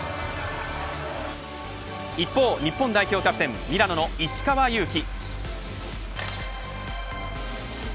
一方、日本代表キャプテンミラノの石川祐希。